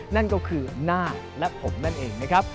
นั่นก็คือนาคและผมนั่นเองนะครับ